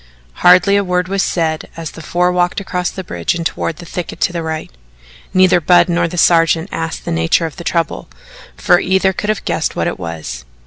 Hardly a word was said as the four walked across the bridge and toward a thicket to the right. Neither Budd nor the sergeant asked the nature of the trouble, for either could have guessed what it was.